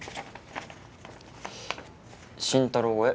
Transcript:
「慎太郎へ。